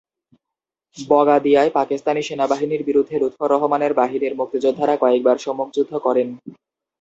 বগাদিয়ায় পাকিস্তানি সেনাবাহিনীর বিরুদ্ধে লুৎফর রহমানের বাহিনীর মুক্তিযোদ্ধারা কয়েকবার সম্মুখ যুদ্ধ করেন।